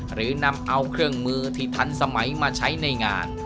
หรือนำเอาเครื่องมือที่ทันสมัยมาใช้ในงาน